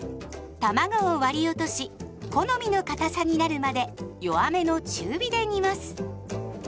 たまごを割り落とし好みのかたさになるまで弱めの中火で煮ます。